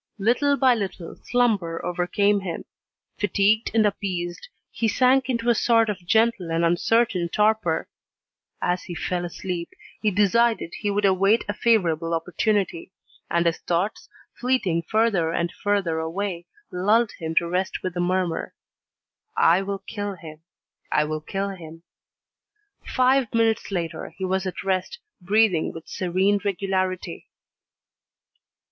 Little by little slumber overcame him. Fatigued and appeased, he sank into a sort of gentle and uncertain torpor. As he fell asleep, he decided he would await a favourable opportunity, and his thoughts, fleeting further and further away, lulled him to rest with the murmur: "I will kill him, I will kill him." Five minutes later, he was at rest, breathing with serene regularity.